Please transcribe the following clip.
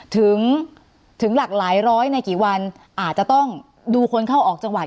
ถึงถึงหลากหลายร้อยในกี่วันอาจจะต้องดูคนเข้าออกจังหวัด